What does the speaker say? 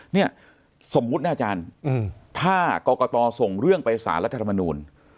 เนี่ยสมมุตินะอาจารย์ถ้ากรกตส่งเรื่องไปสารรัฐธรรมนูล